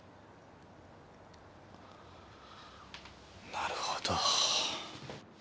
なるほど。